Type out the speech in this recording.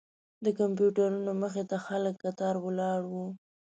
د کمپیوټرونو مخې ته خلک کتار ولاړ وو.